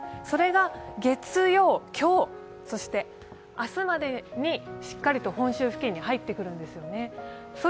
それが今日、月曜、そして明日までにしっかりと本州付近に入ってくるんですよね。